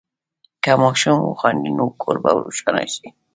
که ماشوم وخاندي، نو کور به روښانه شي.